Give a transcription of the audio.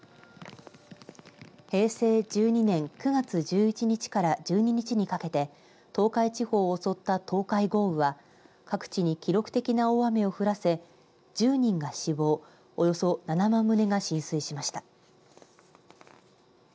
平成１２年９月１１日から１２日にかけて東海地方を襲った東海豪雨は各地に記録的な大雨を降らせ１０人が死亡およそ７万棟が浸水しました。